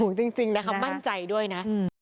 สูงจริงนะครับมั่นใจด้วยนะ